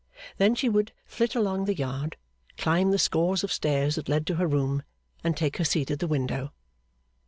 Then she would flit along the yard, climb the scores of stairs that led to her room, and take her seat at the window.